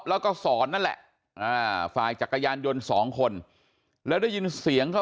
แล้วก็สอนนั่นแหละฝ่ายจักรยานยนต์สองคนแล้วได้ยินเสียงเขา